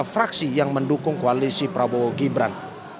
lima fraksi yang mendukung koalisi prabowo gibran